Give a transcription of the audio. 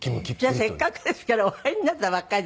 じゃあせっかくですからお会いになったばっかりで